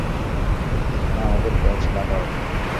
এইখানে আমাদের বেজ লাগাও।